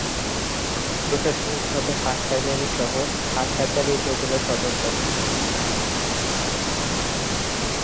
প্রশাসনিক ভাবে হাটহাজারী শহর হাটহাজারী উপজেলার সদর দফতর।